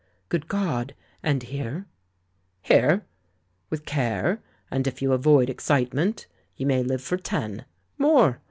"Good God! And here?" "Here? With care, and if you avoid excite ment, you may live for ten. JMore!